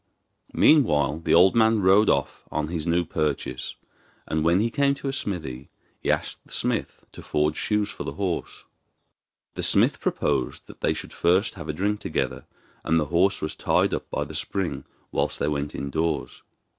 Meanwhile the old man rode off on his new purchase, and when he came to a smithy he asked the smith to forge shoes for the horse. The smith proposed that they should first have a drink together, and the horse was tied up by the spring whilst they went indoors.